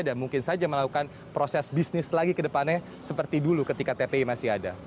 dan mungkin saja melakukan proses bisnis lagi ke depannya seperti dulu ketika tpi masih ada